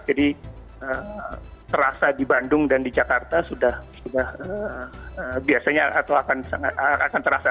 jadi terasa di bandung dan di jakarta sudah biasanya akan terasa